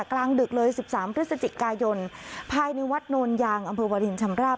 กลางดึกเลย๑๓พฤศจิกายนภายในวัดโนนยางอำเภอวารินชำราบ